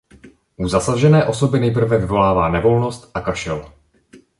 U zasažené osoby nejprve vyvolává nevolnost a kašel.